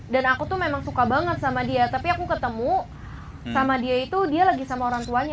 dan aku tuh memang suka banget sama dia tapi aku ketemu sama dia itu dia lagi sama orang tuanya